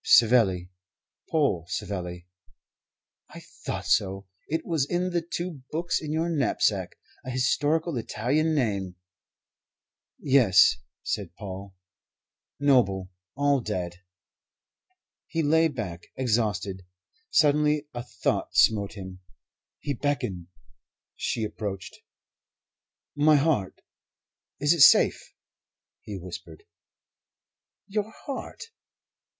"Savelli. Paul Savelli." "I thought so. It was in the two books in your knapsack. A historical Italian name." "Yes," said Paul. "Noble. All dead." He lay back, exhausted. Suddenly a thought smote him. He beckoned. She approached. "My heart is it safe?" he whispered. "Your heart?"